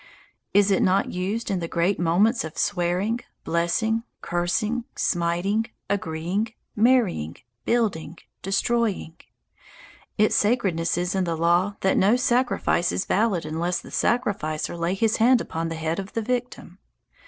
Is it not used in the great moments of swearing, blessing, cursing, smiting, agreeing, marrying, building, destroying? Its sacredness is in the law that no sacrifice is valid unless the sacrificer lay his hand upon the head of the victim.